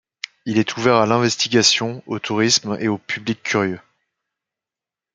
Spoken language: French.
Il est ouvert à l'investigation, au tourisme et au public curieux.